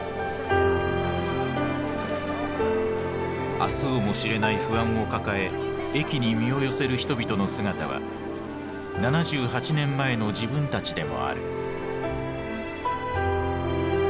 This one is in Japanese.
明日をも知れない不安を抱え駅に身を寄せる人々の姿は７８年前の自分たちでもある。